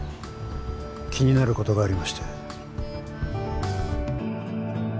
気になる事がありまして。